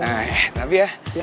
nah iya tapi ya